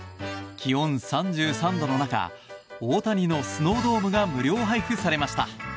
気温３３度の中大谷のスノードームが無料配布されました。